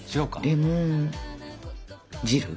レモン汁？